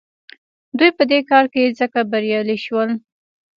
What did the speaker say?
دوی په دې کار کې ځکه بریالي شول.